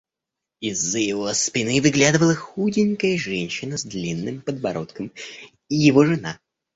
Из-за его спины выглядывала худенькая женщина с длинным подбородком — его жена.